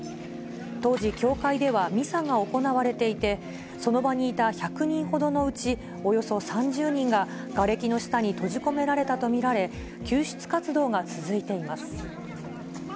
当時、教会ではミサが行われていて、その場にいた１００人ほどのうち、およそ３０人ががれきの下に閉じ込められたと見られ、救出活動が続いています。